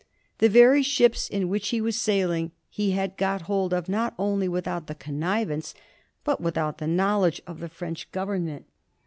The very ships in which he was sailing he had got hold of, not only without the connivance, but without the knowl edge, of the French Government.